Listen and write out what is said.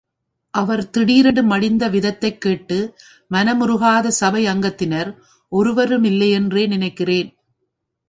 அவர் திடீரென்று மடிந்த விதத்தைக் கேட்டு மனமுருகாத சபை அங்கத்தினர் ஒருவருமில்லையென்றே நினைக்கிறேன்.